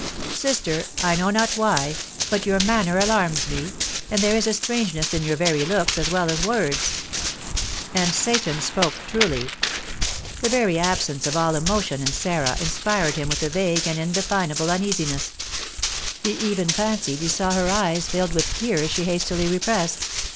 "Sister, I know not why, but your manner alarms me, and there is a strangeness in your very looks as well as words!" And Seyton spoke truly. The very absence of all emotion in Sarah inspired him with a vague and indefinable uneasiness; he even fancied he saw her eyes filled with tears she hastily repressed.